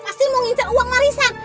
dia pasti mau nginjak uang marisan